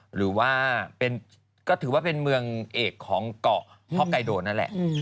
หรือว่าก็ถือว่าเป็นเมืองเอกของเกาะพ่อไกโดนั่นแหละ